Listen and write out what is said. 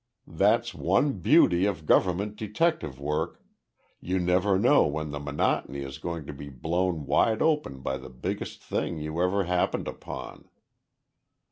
That's one beauty of government detective work you never know when the monotony is going to be blown wide open by the biggest thing you ever happened upon.